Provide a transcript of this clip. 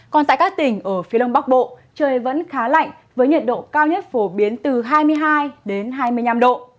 còn tại các tỉnh ở phía đông bắc bộ trời vẫn khá lạnh với nhiệt độ cao nhất phổ biến từ hai mươi hai hai mươi năm độ